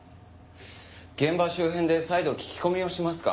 現場周辺で再度聞き込みをしますか。